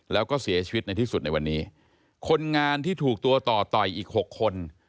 แล้วก็เสียชีวิตในที่สุดในวันนี้คนงานที่ถูกตัวต่อต่อยอีกหกคน